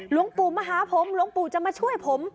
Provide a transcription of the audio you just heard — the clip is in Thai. หลวงปู่มาหาผมหลวงปู่จะมาช่วยผม